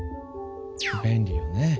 便利よね。